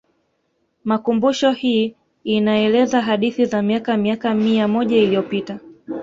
Makumbusho hii inaeleza hadithi za miaka miaka mia moja iliyopita